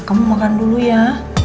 kamu makan dulu ya